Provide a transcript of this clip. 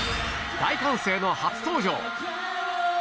大歓声の初登場。